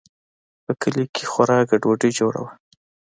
په کلي کښې خورا گډوډي جوړه وه.